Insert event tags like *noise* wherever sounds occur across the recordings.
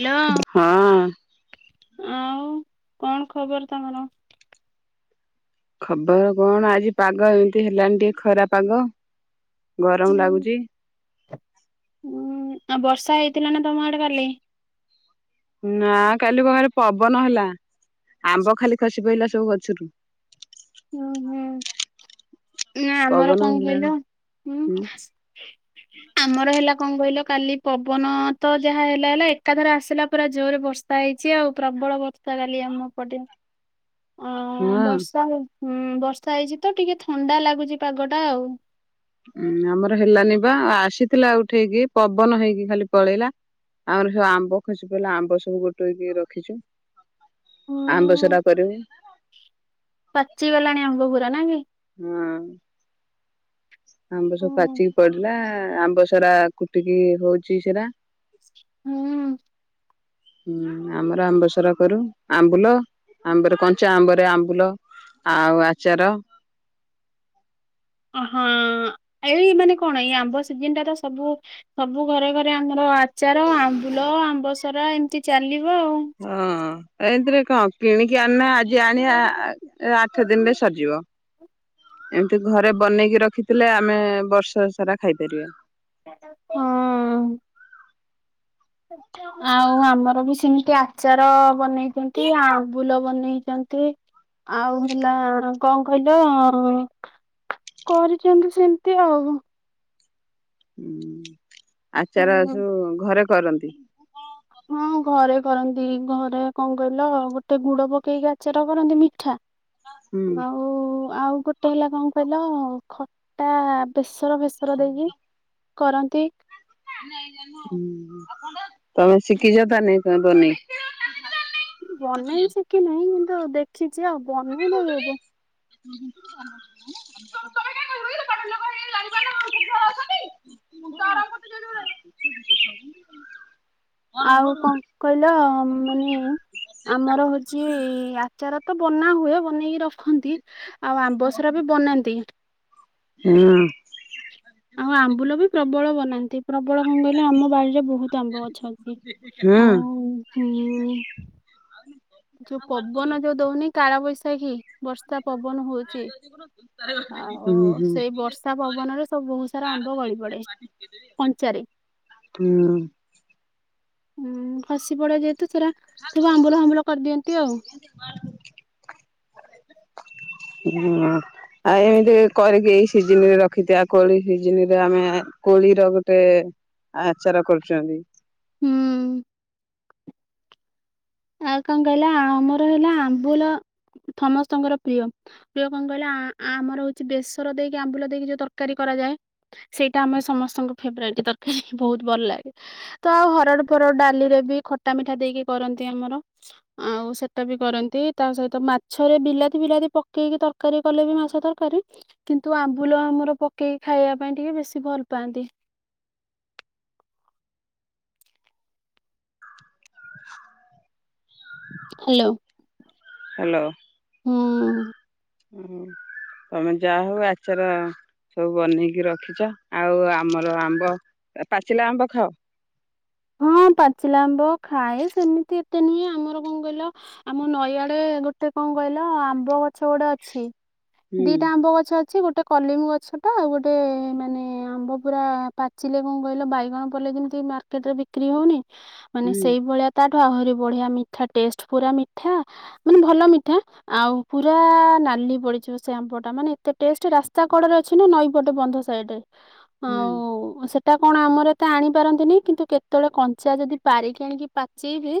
Hello ହଁ। ଆଉ କଣ ଖବର ତମର? ଖବର କଣ ଆଜି ପାଗ ଏମିତି ହେଲାଣି ଟିକେ ଖରା ପାଗ। ଗରମ୍ ଲାଗୁଚି। ହୁଁ, ଆଉ ବର୍ଷା ହେଇଥିଲା ନା ତମ ଆଡେ କାଲି? ନା କାଲି କ ପବନ ହେଲା ଆମ୍ବ ଖାଲି ଖସି ପଇିଲା ସବୁ ଗଛରୁ। ଉଁ, ହୁଁ ନା ଆମର ପବନ କଣ ହେଲା କହିଲ ହୁଁ? *inaudible* ଆମର ହେଲା କଣ କହିଲ କାଲି ପବନ ତ ଯାହା ହେଲା ହେଲା ଏକାଥରେ ଆସିଲା ପୁରା ଜୋରରେ ବର୍ଷା ବର୍ଷା ହେଇଛି ଆଉ ପ୍ରବଳ ବର୍ଷା କାଲି ଆମ ପଟେ। *inaudible* ଅ ହଁ ବର୍ଷା ହଁ ବର୍ଷା ହେଇଛି ତ ଟିକେ ଥଣ୍ଡା ଲାଗୁଛି ପାଗ ଟା ଆଉ। ଉଁ, ଆମର ହେଲାନି ବା ଆସିଥିଲା ଆଉ ଉଠେଇକି ପବନ ହେଇକି ଖାଲି ପଳେଇଲା ଆମର ସବୁ ଆମ୍ବ ଖସି ପିଲା ଆମ୍ବ ସବୁ ଗୋଟେଇକି ରଖିଛୁ। ହୁଁ ଆମ୍ବସରା କରିବୁ। ପାଚିଗଲାଣି ଆମ୍ବ ପୁରା ନାଇଁ କି। ହୁଁ। ଆମ୍ବ ହୁଁ ସବୁ ପାଚିକି ପଡିଲା ଆମ୍ବସରା କୁଟିକି ହଉଚି ସେରା ଉଁ। *inaudible* ହୁଁ, ଆମର ଆମ୍ବସରା କରୁ ଆମ୍ବୁଲ, ଆମ୍ବରେ କଞ୍ଚା ଆମ୍ବରେ ଆମ୍ବୁଲ ଆଉ ଆଚାର ଅହଁ ଏଇ ମାନେ କଣ ଏଇ ଆମ୍ବ ସିଜନ ଟା ତ ସବୁ ସବୁ ଘରେ ଘରେ ଆମର ଆଚାର, ଆମ୍ବୁଲ, ଆମ୍ବସରା, ଏମିତି ଚାଲିବ ଆଉ। ହଁ, ଏମିତିରେ କଣ କିଣିକି ଆଣନା ଆଜି ଆଣି ଆଠ ଦିନରେ ସରିଜିବ। ଏମିତି ଘରେ ବନେଇକି ରଖିଥିଲେ ଆମେ ବର୍ଷ ସାରା ଖାଇପାରିବା ହଁ। *inaudible* ଆଉ ଆମର ବି ସେମିତି ଆଚାର ବନେଇଚନ୍ତି ଆମ୍ବୁଲ ବନେଇଚନ୍ତି। ଆଉ ହେଲା କଣ୍ କହିଲ କରିଚନ୍ତି ସେମିତି ଆଉ। ହୁଁ ଆଚାର ସବୁ ଘରେ କରନ୍ତି। ହଁ ଘରେ କରନ୍ତି ଘରେ କଣ କହିଲ ଗୋଟେ ଗୁଡ ପକେଇକି ଆଚର କରନ୍ତି ମିଠା। ହୁଁ। ହଁ। ଓ ଆଉ ଗୋଟେ ହେଲା କଣ କହିଲ ଖଟା ବେସର ଫେସର ଦେଇକି କରନ୍ତି। ତମେ ଶିଖିଚ ତା ନେ ବନେଇ? ବନେଇ ଶିଖିିନେଇଁ କିନ୍ତୁ ଆ ଦେଖିଚି ଆଉ ବନେଇଲେ ବ *inaudible* *inaudible* ଆଉ କଣ କହିଲ ମାନେ ଆମର ହଉଚି ଆଚାର ତ ବନା ହୁଏ ବନେଇକି ରଖ୍ ରଖନ୍ତି। ଆଉ ଆମ୍ବସରା ବି ବନାନ୍ତି। ହୁଁ। ଆଉ ଆମ୍ବୁଲ ବି ପ୍ରବଳ ବନାନ୍ତି ପ୍ରବଳ କଣ କହିଲେ ଆମ ବାଡିରେ ବହୁତୁ ଆମ୍ବ ଗଛ ଅଛି। ହୁଁ। ଆଉ- ହୁଁ। ଯଉ ପବନ ଯଉ ଦଉନି କାଳ ବୈଶାଖୀ ବର୍ଷା ପବନ ହଉଚି। ଆଉ ସେଇ ବର୍ଷା ପବନରେ ସବୁ ବହୁତ୍ ସାରା ଆମ୍ବ ଗଳି ପଡେ। କଞ୍ଚାରେ। ହୁଁ। ହୁଁ ଖସି ପଡେ ଯେହେତୁ ସେରା ସବୁ ଆମ୍ବୁଲ ଫାମ୍ବୁଲ କରିଦିଅନ୍ତି ଆଉ। ହୁଁ। ଆଉ ଏମିତି କରିକି ସିଜିନ୍ ରେ ରଖିଥିବା କୋଳି ସିଜିନ୍ ରେ ଆମେ କୋଳିର ଗୋଟେ ଆଚାର କରୁଚୁ ଆମେ। ହୁଁ। ଆଉ କଣ କହିଲ ଆମର ହେଲା ଆମ୍ବୁଲ ସମସ୍ତଙ୍କର ପ୍ରିୟ। ପ୍ରିୟ କଣ କହିଲେ ଆ-ଆମର ହଉଚି ବେସର ଦେଇକି ଆମ୍ବୁଲ ଦେଇକି ଯଉ ତରକାରୀ କରାଯାଏ ସେଇଟା ଆମର ସମସ୍ତଙ୍କ ଫେବରଟ୍ ତରକାରୀ ବହୁତ୍ ଭଲ୍ ଲାଗେ। ତ ଆଉ ହରଡ୍ ଫରଡ୍ ଡାଲିରେ ବି ଖଟା ମିଠା ଦେଇକି କରନ୍ତି ଆମର। ଆଉ ସେଟା ବି କରନ୍ତି ତା ସହିତ ମାଛରେ ବିଲାତି ଫିଲାତି ପକେଇକି ତର୍ ତରକାରୀ କଲେ ବି ମାଛ ତରକାରୀ କିନ୍ତୁ ଆମ୍ବୁଲ ଆମର ପକେଇକି ଖାଇବା ପାଇଁ ଟିକେ ବେଶୀ ଭଲ୍ ପାଆନ୍ତି। *unintelligible* ହାଲୋ। ହାଲୋ। ହୁଁ। ତମେ ଯାହଉ ଆଚାର ସବୁ ବନେଇକି ରଖିଚ ଆଉ ଆମର ଆମ୍ବ- ପାଚିଲା ଆମ୍ବ ଖାଅ? ହଁ ପାଚିଲା ଆମ୍ବ ଖାଏ ସେମିତି ଏତେ ନୁହେଁ ଆମର କଣ କହିଲ ଆମ ନଈଆଡେ ଗୋଟେ କଣ କହିଲ ଆମ୍ବ ଗଛ ଗୋଟେ ଅଛି ହୁଁ ଦିଟା ଆମ୍ବ ଗଛ ଅଛି ଗୋଟେ କଲିମି ଗଛ ଟା ଆଉ ଗୋଟେ ମାନେ ଆମ୍ବ ପୁରା ପାଚିଲେ କଣ କହିଲ ବାଇଗଣ ପଲେଇ ଯେମି *unintelligible* ମାର୍କେଟରେ ବିକ୍ରି ହଉନି ମାନେ ହୁଁ ସେଇଭଳିଆ ତାଠୁ ଆହୁରି ବଢ଼ିଆ ମିଠା ଟେଷ୍ଟ ପୁରା ମିଠା ମାନେ ଭଲ ମିଠା ଆଉ ପୁରା ନାଲି ପଡ଼ିଯିବ ସେ ଆମ୍ବ ଟା ମାନେ ଏତେ ଟେଷ୍ଟ ରାସ୍ତା କଡ଼ରେ ଅଛି ନା ନଈପଟ ବନ୍ଧ ସାଇଡ ରେ। *unintelligible* ଆଉ ସେଟା କଣ ଆମର ଏତେ ଆଣିପାରନ୍ତିନି କିନ୍ତୁ କେ ତେବେଳେ କଞ୍ଚା ଯଦି ପାରିକି ଆଣିକି ପାଚେଇବେ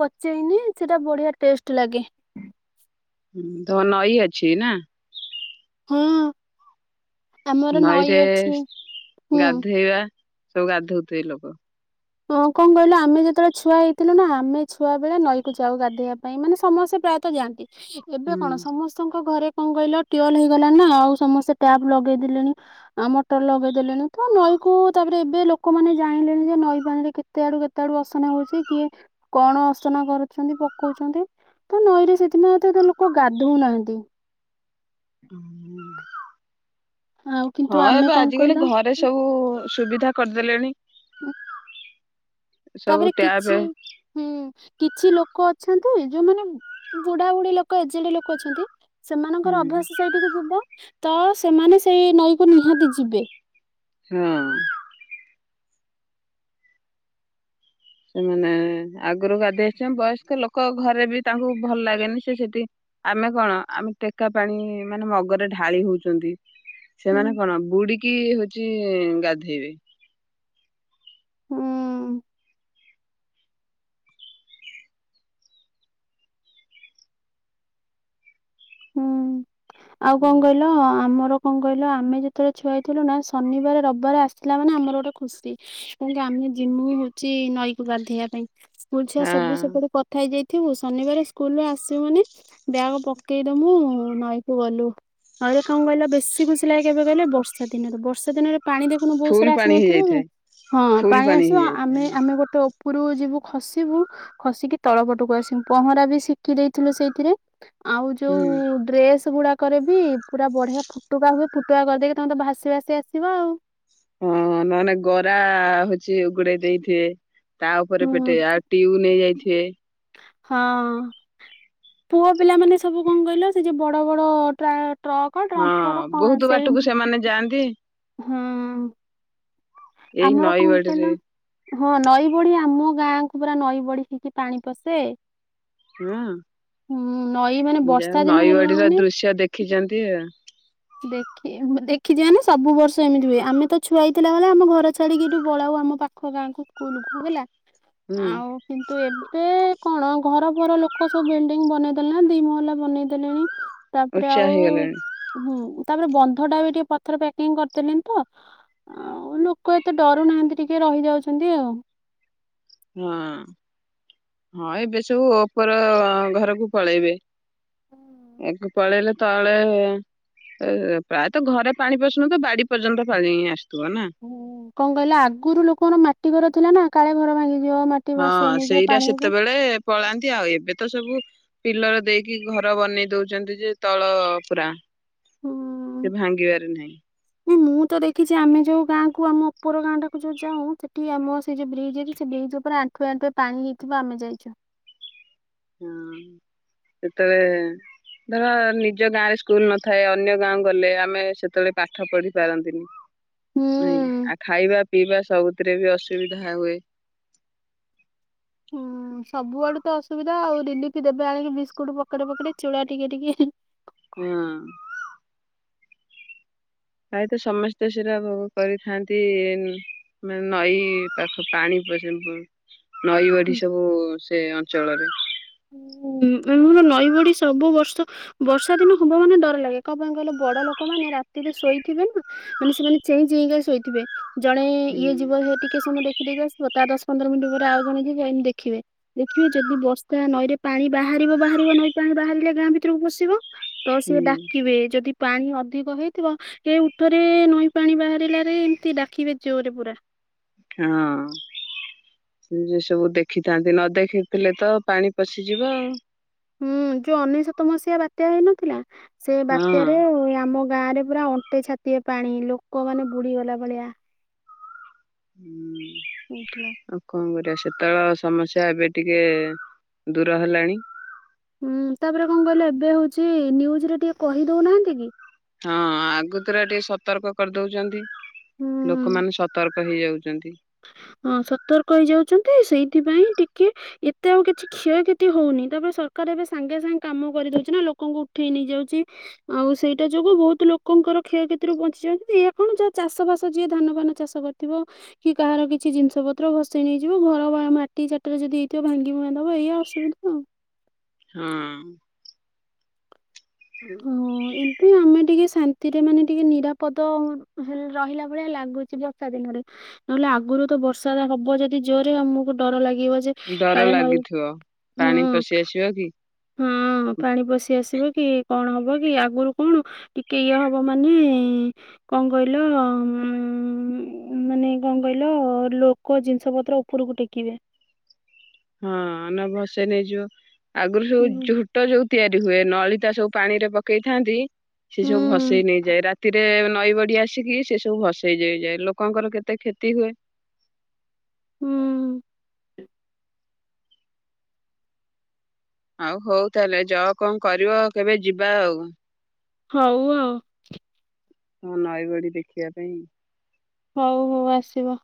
ପଚେଇନି ସେଟା ବଢ଼ିଆ ଟେଷ୍ଟ ଲାଗେ। ହୁଁ ଧ ନଈ ଅଛି ନା? ହୁଁ। ନଈରେ ଅଛି ହୁଁ ଗାଧେଇବା ସବୁ ଗାଧୋଉଥିବେ ଲୋକ। ହଁ କଣ କହିଲ ଆମେ ଯେତେବେଳେ ଛୁଆ ହେଇଥିଲୁ ନା ଆମେ ଛୁଆ ବେଳେ ନଈ କୁ ଯାଉ ଗାଧୋଇବା ପାଇଁ ମାନେ ସମସ୍ତେ ପ୍ରାୟତଃ ଯାଆ ତି ଏବେ ହୁଁ। କଣ ସମସ୍ ସଙ୍କ ଘରେ କଣ କହିଲ ଟିୱଲ ହେଇଗଲାଣି ନା ଆଉ ସମସ୍ତେ ଟ୍ୟାପ ଲଗେଇ ଦେଲେଣି। ଆଉ ମଟର ଲଗେଇ ଦେଲେଣି ତ ନଈ କୁ ତାପରେ ଏବେ ଲୋକମାନେ ଜାଇଁଲେଣି ଯେ ନଈ ପାଣିରେ କେତେ ଆଡ଼ୁ କେତେ ଆଡ଼ୁ ଅସନା ହୋଉଛି କିଏ କଣ ଅସନା କରୁଛନ୍ତି ପକଉଛନ୍ତି। ତ ନଈରେ ସେଥିପାଇଁ ତ ଏତେ ଲୋକ ଗାଧୋଉ ନାହାନ୍ତି। ଆଉ କିନ୍ତୁ ହଁ ଆମେ ଏବେ କଣ କହିଲ ଆଜିକାଲି ଘରେ ସ୍ ସବୁ ସୁବିଧା କରି ଦେଲେଣି। ଉଁ ସବୁ ତାପରେ କିଛି ଟ୍ୟାପେ ହୁଁ କିଛି ଲୋକ ଅଛନ୍ତି ଯୋଉମାନେ ବୁଢ଼ା ବୁଢ଼ୀ ଲୋକ ଏଜେଡ଼େ ଲୋକ ଅଛନ୍ତି। ହୁଁ ସେମାନଙ୍କର ଅଭ୍ୟାସ ସେଇଠିକି ଯିବା ତ ସେମାନେ ସେଇ ନଈ କୁ ନିହାତି ଯିବେ। ହଁ। ସେମାନେ ଆଗରୁ ଗାଧେଇ ଆସିଛନ୍ତି ବୟସ୍କ ଲୋକ ଘରେ ବି ତାଙ୍କୁ ଭଲ ଲାଗେନି ସେ ସେଠି ଆମେ କଣ ଆମେ ଟେକା ପାଣି ମାନେ ମଗରେ ଢାଳି ହୋଉଛନ୍ତି। ହୁଁ ସେମାନେ କଣ ବୁଡ଼ି କି ହୋଉଛି ଗାଧେଇବେ। ହୁଁ। ହୁଁ ଆଉ କଣ କହିଲ ଆମର କଣ କହିଲ ଆମେ ଯେତେବେଳେ ଛୁଆ ହେଇଥିଲୁ ନା ଶନିବାର ରବିବାର ଆସିଲା ମାନେ ଆମର ଗୋଟେ ଖୁସି। କେମିତି ଆମେ ଜିମୁ ହୋଉଛି ନଈକୁ ଗାଧେଇବା ପାଇଁ। କୁଲ ଛୁଆ ହଁ ସବୁ ସେପଟେ କଥା ହେଇଯାଇଥିବୁ ଶନିବାର ସ୍କୁଲୁରୁ ଆସିବୁ ମାନେ ବ୍ୟାଗ ପ କେଇ ଦବୁ ନଈ କୁ ଗଲୁ। ନଈ ରେ କଣ କହିଲ ବେଶୀ ଖୁସି ଲାଗେ କେବେ କହିଲ ବର୍ଷା ଦିନରେ ବର୍ଷା ଦିନରେ ପାଣି ଦେଖୁନ ବୋହୁତ ଫୁଲ ସାରା ପାଣି ଆସିନଥିବ କି ହେଇଯାଇଥାଏ ହଁ ଫୁଲ ପାଣି ଆସିବ ହେଇଯାଇଥାଏ ଆମେ ଆମେ ଗୋ ଟେ ଉପରୁକୁ ଯିବୁ ଖସିବୁ ଖସିକି ତଳ ପଟକୁ ଆସିବୁ ପହଁରା ବି ଶିଖି ଦେଇଥିଲୁ ସେଇଥିରେ। ଆଉ ଦ୍ ହୁଁ। ଡ୍ରେସ ଗୁଡ଼ାକ ରେ ବି ପୁରା ବଢ଼ିଆ ଫୁଟୁକା ହୁଏ ଫୁଟୁକା କରିଦେଇକି ତମେ ତ ଭାସି ଭାସି ଆସିବ ଆଉ। ହଁ ନହେଲେ ଗରା ହୋଉଛି ଉଗୁଡ଼େଇ ଦେଇଥିବେ। ତା ଉପରେ ହୁଁ। ପେଟେଇବେ ଆଉ ଟିୟୁ ନେଇ ଯାଇଥିବେ। ହଁ ପୁଅ ପିଲା ମାନେ ସବୁ କଣ କହିଲ ସେ ଯୋଉ ବଡ଼ ବଡ଼ ଟ୍ରା ଟ୍ରକ ଡ୍ରମ୍ଫର କଣ ସେଇ ମାନେ ଯାଆନ୍ତି। ହୁଁ। ଏଇ ଆମର କଣ ନଈବଡିରେ କହିଲ। ହଁ ନଈ ବଢ଼ି ଆମ ଗାଁକୁ ପୁରା ନଈ ବଢ଼ି ହେଇକି ପାଣି ପସେ। ହଁ ନଈ ମାନେ ଯା ବର୍ଷା ହଉ ଦିନ ନଈ ହେଲା ଗଡିର ମାନେ ଦୃଶ୍ୟ ଦେଖିଚନ୍ତି ଆଉ। ଦେଖି ଦେଖିଚି ମାନେ ସବୁ ବର୍ଷ ଏମିତି ହୁଏ ଆମେ ତ ଛୁଆ ହେଇଥିଲା ବେଳେ ଆମ ଘର ଛାଡିକିରି ପଳାଉ ଆମ ପାଖ ପାଖ ଗାଁକୁ ସ୍କୁଲୁ କୁ ଗଲା। ହୁଁ। କିନ୍ତୁ ଏବେ କଣ ଘରଫର ଲୋକ ସବୁ ବିଲିଡିଙ୍ଗି ବନେଇ ଦେଲେଣି ଦି ମହଲା ବନେଇ ଦେଲେଣି। ତାପରେ ଉଚ୍ଚା ଆଉ ହେଇଗଲାଣି ହୁଁ ତାପରେ ବନ୍ଧ ଟା ବି ଟିକେ ପଥର ପ୍ୟାକିଂ କରିଦେଲେଣି ତ। ଆଉ ଲୋକ ଏତେ ଡରୁ ନାହାନ୍ତି ଟିକେ ରହିଯାଉଛନ୍ତି ଆଉ। ହଁ ହଁ ଏବେ ସବୁ ଉପର ଘରକୁ ପଳେଇବେ। ଏକେ ପଳେଇଲେ। ତଳେ ପ୍ରାୟତଃ ଘରେ ପାଣି ପସୁନଥୁବ ବାଡି ପର୍ଯ୍ୟନ୍ତ ପାଣି ଆସୁଥିବ ନା? ହୁଁ କଣ କହିଲା ଆଗରୁ ଲୋକମାନଙ୍କର ମାଟି ଘର ଥିଲା ନା କାଳେ ଘର ଭାଙ୍ଗିଯିବ ମାଟି ହଁ ଭାସେଇ ନେଇଯିବ ସେଇଟା ପାଣି ହୁଁ ସେତେବେଳେ ପଳାନ୍ତି ଆଉ ଏବେ ତ ସବୁ ପିଲର ଦେଇକି ଘର ବନେଇ ଦଉଚନ୍ତି ଯେ ତଳ ପୁରା ସେ ଭାଙ୍ଗିବାରେ ନାଇଁ। ନାଇଁ, ମୁଁ ତ ଦେଖିଚି ଆମେ ଯେଉଁ ଗାଁକୁ ଆମ ଉପର ଗାଁଟାକୁ ଯୋଉଁ ଯାଉଁ ସେଠି ଆମ ସେ ଯୋଉଁ ବ୍ରିଜ୍ ଅଛି ସେ ବ୍ରିଜ୍ ଉପରେ ଆଣ୍ଠୁ ଆଣ୍ଠୁଏ ଆଣ୍ଠୁଏ ପାଣି ହେଇଥିବ ଆମେ ଯାଇଚୁ। ହୁଁ ସେତେଳେ ଧର ନିଜ ଗାଁ ରେ ସ୍କୁଲୁ ନଥାଏ ଅନ୍ୟ ଗାଁ ଗଲେ ଆମେ ସେତେବେଳେ ପାଠ ପଢି ପାରନ୍ତିନି। ହୁଁ ଆଉ ଖାଇବା ପିଇବା ସବୁଥିରେ ବି ଅସୁବିଧା ହୁଏ। ହୁଁ ସବୁଆଡୁ ତ ଅସୁବିଧା ଆଉ ରିଲିଫି ଦେବେ ଆଣିକି ବିସ୍କୁଟୁ ପକେଟେ ପକେଟେ ଚୁଡା ଟିକେ ଟିକେ। ହଁ। ପ୍ରାୟତ ସମସ୍ତେ ସେଟା କରିଖାଆନ୍ତି। ମାନେ ନଈ ପାଖ ପାଣି ପର୍ଯ୍ୟନ୍ତ ପଯ୍ୟନ୍ତ। ନଈ ବଢି ସବୁ ସେ ଅଞ୍ଚଳରେ। ହୁଁ ନଈ ବଡି ସବୁ ବର୍ଷ ବର୍ଷା ଦିନ ହବ ମାନେ ଡର ଲାଗେ କଣ ପାଇଁ କହିଲ ବଡ ଲୋକ ମାନେ ରାତିରେ ଶୋଇଥିବେ ନା। ମାନେ ସେମାନେ ଚେଇଁ ଚେଇଁକା ଶୋଇଥିବେ ଜଣେ ଇ ହୁଁ ଇଏ ଯିବ ହେ ଟିକେ ସମୟ ଦେଖିଦେଇକି ଆସିବ ତା ଦଶ ପନ୍ଦର ମିନିଟି ପରେ ଆଉ ଜଣେ ଯିବ ଏମିତି ଦେଖିବେ ଦେଖିବେ ଯଦି ବ ତା ନଈରେ ପାଣି ବାହାରିବ ବାହାରିବ ନଈ ପାଣି ବାହାରିଲେ ଗାଁ ଭିତରକୁ ବସିବ ତ ହୁଁ ସିଏ ଡାକିବେ ଯଦି ପାଣି ଅଧିକ ହେଇଥିବ ଏ ଉଠରେ ନଈ ପାଣି ବାହାରିଲାରେ ଏମିତି ଡାକିବେ ଜୋରେ ପୁରା। ହଁ। ଯେ ସବୁ ଦେଖିଥାନ୍ତି ନ ଦେଖିଥିଲେ ତ ପାଣି ପଶିଯିବ ଆଉ। ହୁଁ ଯୋଉ ଅନେଶତ ମସିହା ବାତ୍ୟା ହେଇନଥିଲା ସେ ଆଉ ହଁ। ବାତ୍ୟାରେ ଆମ ଗାଁ ରେ ପୁରା ଅଣ୍ଟେ ଛାତିଏ ପାଣି ଲୋକମାନେ ବୁଡି ଗଲା ଭଳିଆ। ହୁଁ ହେଇଥିଲା। ଆଉ କଣ କରିବା ସେତେବେଳ ସମସ୍ୟା ଏବେ ଟିକେ ଦୂର ହେଲାଣି। ହୁଁ ତାପରେ କଣ କହିଲେ ଏବେ ହଉଚି ନିନ୍ୟୁଜୁ ରେ ଟିକେ କହି ଦଉନାହାନ୍ତି କି? ହଁ ଆଗତୁରିଆ ଟିକେ ସତର୍କ କରିଦଉଚନ୍ତି। ହୁଁ ଲୋକମାନେ ସତର୍କ ହେଇଯାଉଚନ୍ତି। ହଁ ସର୍ତକ ହେଇଯାଉଛନ୍ତି ସେଇଥିପାଇଁ ଟିକେ ଏତେ ଆଉ କିଛି କ୍ଷୟକ୍ଷତି ହଉନି ତାପରେ ସରକାର ଏବେ ସାଙ୍ଗେ ସାଙ୍ଗେ କାମ କରିଦଉଚି ନା ଲୋକଙ୍କୁ ଉଠେଇ ନେଇଯାଉଚି। ଆଉ ସେଇଟା ଯୋଗୁ ବହୁତୁ ଲୋକଙ୍କର କ୍ଷୟକ୍ଷତିରୁ ବଞ୍ଚି ଯାଆନ୍ତି ୟା କଣ ଯାହା ଚାଷ ବାସ ଯିଏ ଧାନ ଫାନ ଚାଷ କରିଥିବ କି କାହାର କିଛି କିଛି ଜିନିଷପତ୍ର ଭସେଇ ନେଇଯିବ ଘର ବା ମାଟି ଚାଟିରେ ଯେଦି ହେଇଥିବ ଭାଙ୍ଗି ଭୁଙ୍ଗା ଦବ ଏଇଆ ଅସୁବିଧା ଆଉ। ହଁ। *inaudible* ହଁ ଏବେ ଆମେ ଟିକେ ଶାନ୍ତିରେ ମାନେ ଟିକେ ନିରାପଦ ହେ ରହିଲା ଭଳିଆ ଲାଗୁଛି ବର୍ଷା ଦିନରେ। ନହେଲେ ଆଗରୁ ତ ବର୍ଷା ହବ ଯଦି ଜୋରରେ ଆମକୁ ଡର ଲାଗିବ ଯେ ଡର କାଳେ ନଈ ଲାଗିଥିବ ପାଣି ହୁଁ ପଶିଆସିବ କି? ହଁ ପାଣି ପଶିଆସିବ କି, କଣ ହବ କି? ଆଗରୁ କଣ ଟିକେ ଇଏ ହବ ମାନେ କଣ କହିଲ ମାନେ କଣ କହିଲ ଲୋ କ ଜିନିଷ ପତ୍ର ଉପୁରୁକୁ ଟେକିବେ। ହଁ ନ ଭସେଇ ନେଇଯିବ, ଆଗରୁ ସବୁ ହୁଁ ଝୋ ଟ ଯୋଉ ତିଆରି ହୁଏ ନଳିତା ସବୁ ପାଣିରେ ପକେଇଥାନ୍ତି ସିଏ ସବୁ ହୁଁ ଭସେଇ ନେଇଯାଏ। ରାତିରେ ନଈ ବଡି ଆସିକି ସେ ସବୁ ଭସେଇ ଯେଇଯାଏ, ଲୋକଙ୍କର କେତେ କ୍ଷତି ହୁଏ। ହୁଁ। ଆଉ ହଉ ତାହେଲେ ଯଅ କଣ କରିବ କେବେ ଯିବା ଆଉ। ହଉ ଆଉ। ହଁ ନଈବଡି ଦେଖିବା ପାଇଁ। ହଉ ହଉ ଆସିବ।